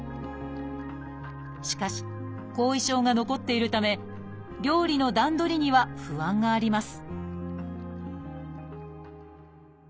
しかし後遺症が残っているため料理の段取りには不安があります